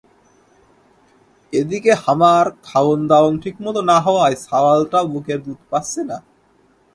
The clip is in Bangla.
এদিকে হামার খাওন দাওন ঠিকমতো না হওয়ায় ছাওয়ালটাও বুকের দুধ প্যাচ্চে না।